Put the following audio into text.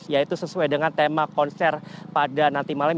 yaitu sesuai dengan tema konser pada nanti malam